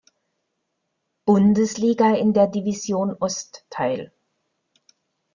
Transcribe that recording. Bundesliga in der Division Ost teil.